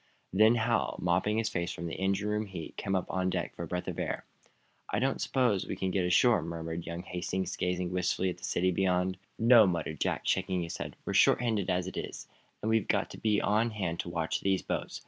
Then Hal, mopping his face from the engine room heat, came up on deck for a breath of air. "I don't suppose we can get ashore," murmured young Hastings, gazing wistfully at the city beyond. "No," muttered Jack, shaking his head. "We're short handed as it is, and we've got to be on hand to watch these boats.